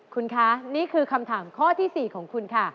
คุณคะนี่คือคำถามข้อที่๔ของคุณค่ะ